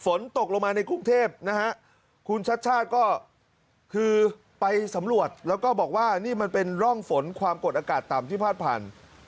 ฝนตกลงมาในกรุงเทพนะฮะคุณชัดชาติก็คือไปสำรวจแล้วก็บอกว่านี่มันเป็นร่องฝนความกดอากาศต่ำที่พาดผ่าน